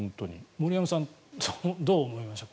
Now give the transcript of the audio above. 森山さんどう思いました？